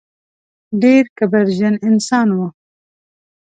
ډېر کبرجن انسان و.